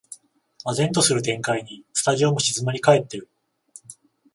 唖然とする展開にスタジオも静まりかえってる